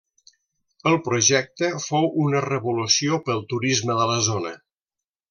El projecte fou una revolució pel turisme de la zona.